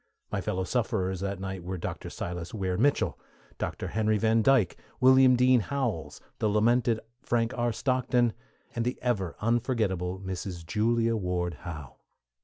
My fellow sufferers that night were Dr. Silas Weir Mitchell, Dr. Henry Van Dyke, William Dean Howells, the lamented Frank R. Stockton, and the ever unforgettable Mrs. Julia Ward Howe.